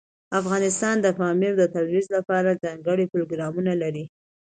افغانستان د پامیر د ترویج لپاره ځانګړي پروګرامونه لري.